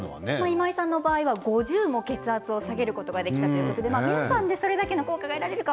今井さんは５０も血圧が下がったということで皆さん、どれだけの効果が得られるか